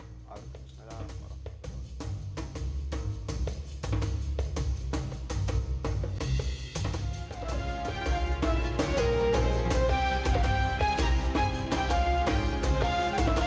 waalaikumsalam warahmatullahi wabarakatuh